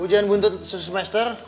ujian untuk semester